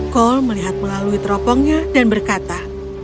cole melihat melalui teropongnya dan berkata